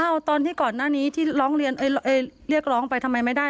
เอาตอนที่ก่อนหน้านี้ที่ร้องเรียนเรียกร้องไปทำไมไม่ได้